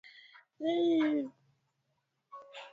Uhusiano wa karibu kati ya wanyama wa kufugwa na wale wa mwituni